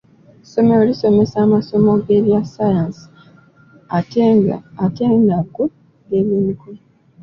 Essomero lisomesa amasomo g'ebya ssayansi ate n'ago ag'ebyemikono